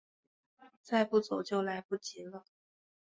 再不走就来不及了